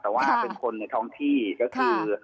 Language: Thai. แต่ว่าเป็นคนในท้องที่ก็คือ